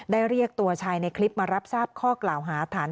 เรียกตัวชายในคลิปมารับทราบข้อกล่าวหาฐาน